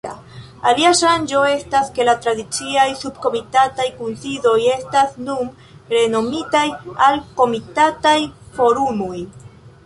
Alia ŝanĝo estas ke la tradiciaj subkomitataj kunsidoj estas nun renomitaj al komitataj forumoj.